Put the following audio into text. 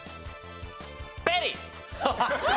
ペリー！